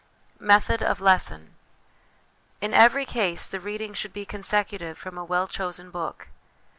Method of Lesson. In every case the reading should be consecutive from a well chosen book.